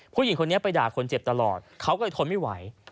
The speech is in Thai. ผู้หญิงคนนี้ไปด่าคนเจ็บตลอดเขาก็เลยทนไม่ไหว